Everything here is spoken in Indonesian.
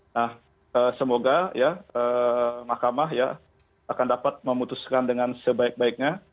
nah semoga ya mahkamah ya akan dapat memutuskan dengan sebaik baiknya